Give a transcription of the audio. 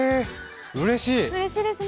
うれしい！